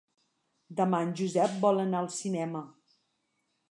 Demà en Josep vol anar al cinema.